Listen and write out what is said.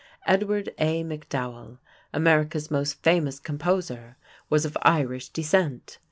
Edward A. MacDowell, America's most famous composer, was of Irish descent.